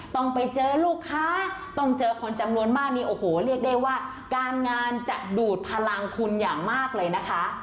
ต้องไปเจอลูกค้าต้องเจอคนจำนวนมากนี้โอ้โหเรียกได้ว่าการงานจะดูดพลังคุณอย่างมากเลยนะคะ